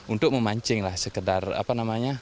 untuk memancinglah sekedar apa namanya